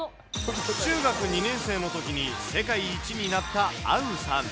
中学２年生のときに、世界一になったあんさん。